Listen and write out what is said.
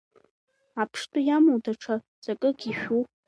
Аԥштәы иамоуп даҽа ҵакык ишәу.